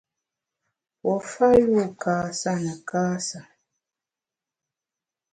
Pue fa yu kâsa ne kâsa.